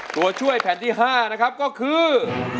ตัวช่วยแผ่นที่๕นะครับก็คือ